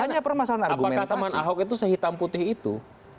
tapi pak pertanyaannya apakah teman ahok itu sehitam putih itu